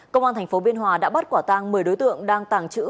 công an thành phố biên hòa đã bắt quả tăng một mươi đối tượng đang tàng chữ